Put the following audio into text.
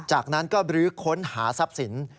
จากนั้นก็บรื้อค้นหาทรัพย์สิน